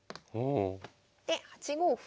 で８五歩。